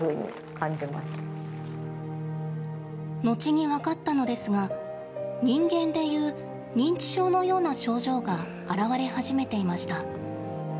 後に分かったのですが人間で言う認知症のような症状が現れ始めていました。